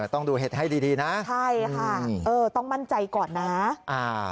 ต้องดูเห็ดให้ดีดีนะใช่ค่ะเออต้องมั่นใจก่อนนะอ่า